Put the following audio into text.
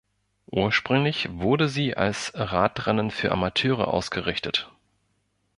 Ursprünglich wurde sie als Radrennen für Amateure ausgerichtet.